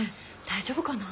大丈夫かな。